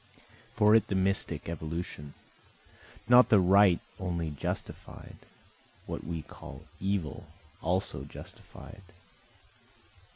For it the mystic evolution, Not the right only justified, what we call evil also justified.